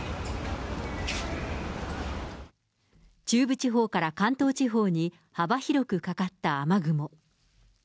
中部地方から関東地方に幅広くかかった雨雲。